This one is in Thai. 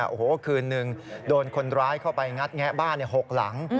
โอ้โหคืนนึงโดนคนร้ายเข้าไปงัดแงะบ้าน๖หลัง